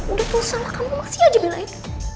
udah terus sama kamu masih aja belain